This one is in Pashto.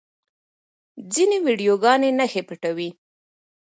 ځینې ویډیوګانې نښې پټوي.